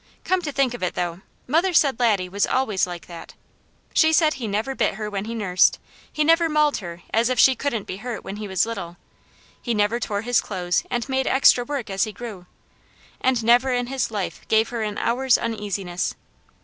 Come to think of it, though, mother said Laddie was always like that. She said he never bit her when he nursed; he never mauled her as if she couldn't be hurt when he was little, he never tore his clothes and made extra work as he grew, and never in his life gave her an hour's uneasiness.